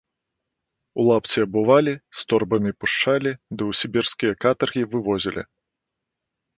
У лапці абувалі, з торбамі пушчалі ды ў сібірскія катаргі вывозілі.